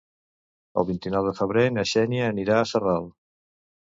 El vint-i-nou de febrer na Xènia anirà a Sarral.